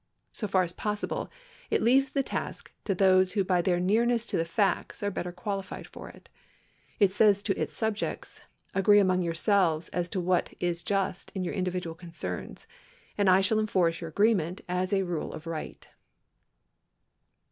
So far as possible, it leaves the task to those who by their nearness to the facts are better qualified for it. It says to its subjects : Agree among yourselves as to what is just in your individual concerns, and I shall enforce your agreement as the rule of right.